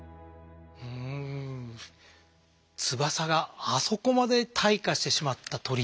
翼があそこまで退化してしまった鳥。